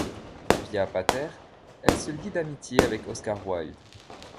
Via Pater, elle se lie d'amitié avec Oscar Wilde.